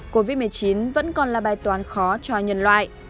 covid một mươi chín vẫn còn là bài toán khó cho nhân loại